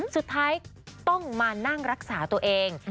สุดท้ายต้องมานั่งรักษาตัวเอง